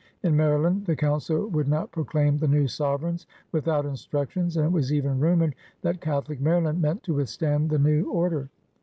In Maryland the Council would not proclaim the new sovereigns without instructions, and it was even rumored that Catholic Maryland meant to withstand the new order.